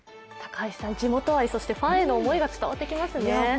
地元愛、そしてファンへの思いが伝わってきますね。